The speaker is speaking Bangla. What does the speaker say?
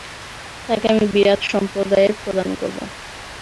তাঁকে আমি বিরাট সম্প্রদায়ের প্রধান করব।